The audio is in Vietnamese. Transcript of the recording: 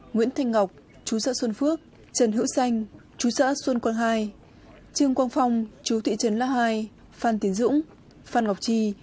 nguyễn thanh ngọc chú xã xuân phước trần hữu xanh chú xã xuân quang hai trương quang phong chú thụy trấn la hai phan tiến dũng phan ngọc trì